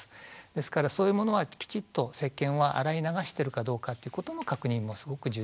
ですからそういうものはきちっとせっけんは洗い流してるかどうかっていうことの確認もすごく重要になります。